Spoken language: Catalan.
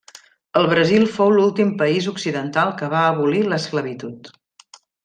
El Brasil fou l'últim país occidental que va abolir l'esclavitud.